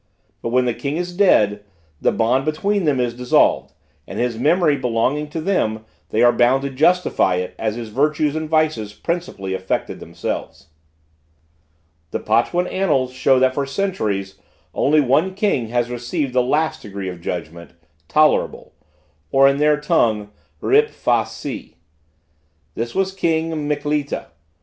But when the king is dead, the bond between them is dissolved, and, his memory belonging to them, they are bound to justify it as his virtues and vices principally affected themselves. The Potuanic annals show that for centuries only one king has received the last degree of judgment tolerable or, in their tongue: Rip fac si. This was King Mikleta.